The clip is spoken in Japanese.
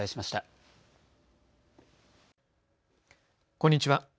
こんにちは。